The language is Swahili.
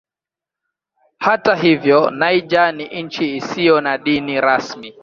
Hata hivyo Niger ni nchi isiyo na dini rasmi.